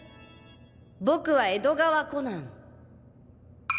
僕は江戸川コナン。